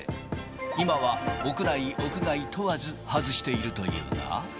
今は屋内、屋外問わず外しているというが。